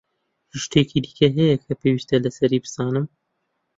هیچ شتێکی دیکە هەیە کە پێویستە لەسەری بزانم؟